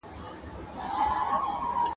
چي په خره پسي د اوښ کتار روان سي !.